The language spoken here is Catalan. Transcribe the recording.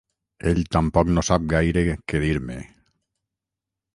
Ell tampoc no sap gaire què dir-me.